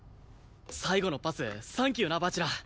最後のパスサンキューな蜂楽。